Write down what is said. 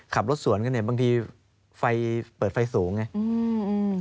ขับรถสวนกันเนี่ยบางทีไฟเปิดไฟสูงไงอืม